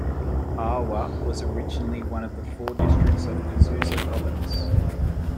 Awa was originally one of four districts of Kazusa Province.